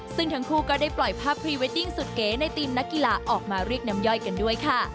ซึ่งทั้งคู่ก็ได้ปล่อยภาพพรีเวดดิ้งสุดเก๋ในทีมนักกีฬาออกมาเรียกน้ำย่อยกันด้วยค่ะ